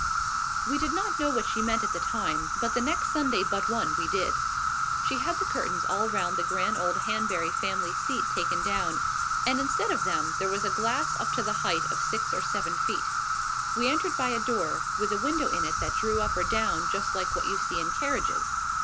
We did not know what she meant at the time; but the next Sunday but one we did. She had the curtains all round the grand old Hanbury family seat taken down, and, instead of them, there was glass up to the height of six or seven feet. We entered by a door, with a window in it that drew up or down just like what you see in carriages.